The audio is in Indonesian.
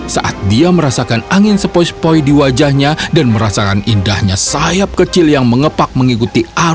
saat dia merasakan angin sepoi sepoi di wajahnya dan merasakan indahnya sayap kecil yang mengepak mengikuti arus